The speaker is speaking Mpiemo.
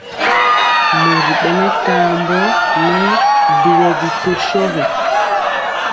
Mori bɛnɛ kambɔ ŋɛɛ dubɔ bi tɔ shogi.